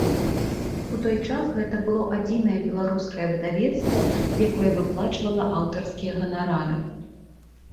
У той час гэта было адзінае беларускае выдавецтва, якое выплачвала аўтарскія ганарары.